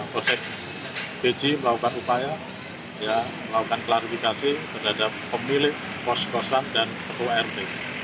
proses beji melakukan upaya melakukan klarifikasi terhadap pemilik pos posan dan petua rt